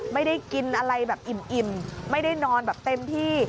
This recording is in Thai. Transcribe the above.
ไม่ได้กินอะไรแบบอิ่มไม่ได้นอนแบบเต็มที่